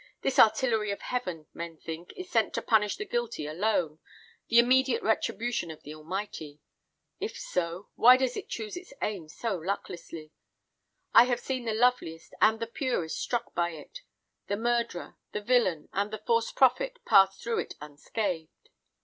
"This artillery of heaven, men think, is sent to punish the guilty alone: the immediate retribution of the Almighty. If so, why does it choose its aim so lucklessly? I have seen the loveliest and the purest struck by it; the murderer, the villain, and the false prophet pass through it unscathed.